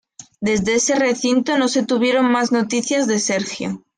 Desde ese recinto no se tuvieron más noticias de Sergio.